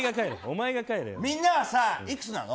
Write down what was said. みんなはいくつなの？